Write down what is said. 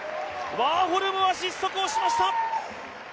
ワーホルムは失速をしました。